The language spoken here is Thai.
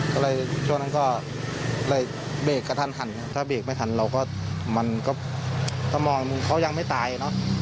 ก็เลยช่วงนั้นก็เลยเบรกกระทันหันถ้าเบรกไม่ทันเราก็มันก็ถ้ามองเขายังไม่ตายเนอะ